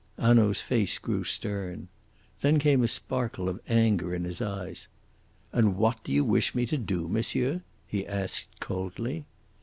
Hanaud's face grew stern. Then came a sparkle of anger in his eyes. "And what do you wish me to do, monsieur?" he asked coldly.